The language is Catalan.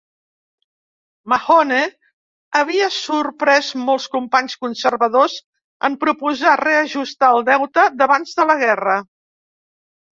Mahone havia sorprès molts companys conservadors en proposar reajustar el deute d'abans de la guerra.